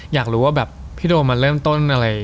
อยากรู้ว่าพี่โด่มันเริ่มต้นอะไร๑๙๕๐